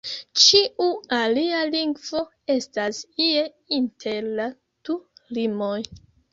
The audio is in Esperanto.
Ĉiu alia lingvo estas ie inter la du limoj.